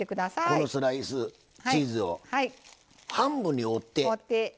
このスライスチーズを半分に折ってここへ。